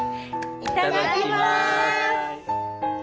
いただきます！